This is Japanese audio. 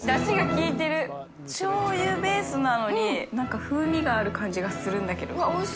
複唯稗蓮醤油ベースなのに何か風味がある感じがするんだけど。